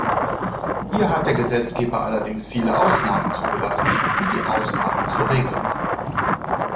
Hier hat der Gesetzgeber allerdings viele Ausnahmen zugelassen, die die Ausnahmen zur Regel machen.